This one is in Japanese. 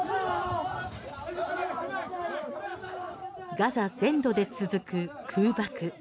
ガザ全土で続く空爆。